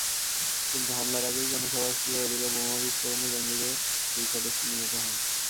কিন্তু হামলার আগেই জনসভাস্থলের অদূরে বোমা বিস্ফোরণে জঙ্গিদের দুই সদস্য নিহত হন।